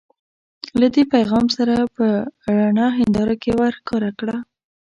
له دې پیغام سره په رڼه هنداره کې ورښکاره کړه.